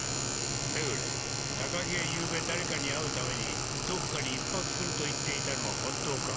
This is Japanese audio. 目暮高木は昨夜誰かに会うためにどこかに１泊すると言っていたのは本当か？